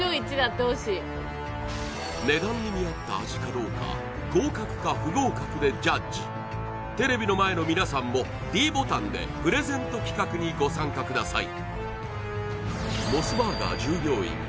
値段に見合った味かどうか合格か不合格でジャッジテレビの前の皆さんもｄボタンでプレゼント企画にご参加ください